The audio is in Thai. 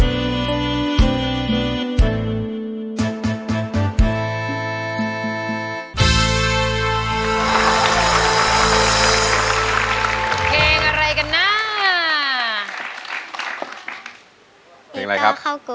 อิกอเข้ากรุงค่ะ